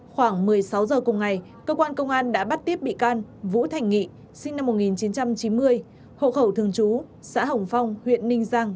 khoảng một mươi sáu h cùng ngày cơ quan công an đã bắt tiếp bị can vũ thành nghị sinh năm một nghìn chín trăm chín mươi hộ khẩu thường trú xã hồng phong huyện ninh giang